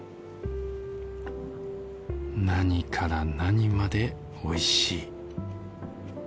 何から何までおいしい